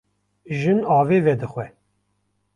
Jin avê vedixwe.